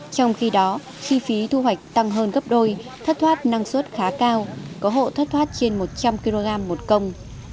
trong khi đó chi phí thu hoạch tăng hơn gấp đôi thất thoát năng suất khá cao có hộ thất thoát trên một trăm linh kg một công